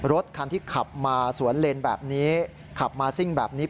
รถคันที่ขับมาสวนเลนแบบนี้ขับมาซิ่งแบบนี้